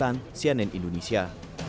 dan sianen indonesia